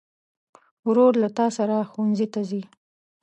ورور له تا سره ښوونځي ته ځي.